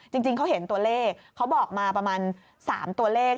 จริงเขาเห็นตัวเลขเขาบอกมาประมาณ๓ตัวเลข